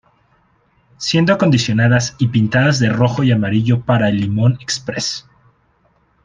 Siendo acondicionadas y pintadas de rojo y amarillo para el "Limón Express".